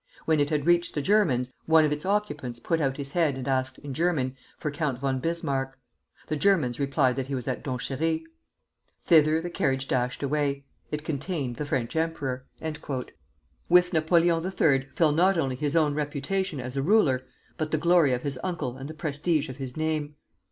When it had reached the Germans, one of its occupants put out his head and asked, in German, for Count von Bismarck? The Germans replied that he was at Donchéry. Thither the carriage dashed away. It contained the French emperor." With Napoleon III. fell not only his own reputation as a ruler, but the glory of his uncle and the prestige of his name.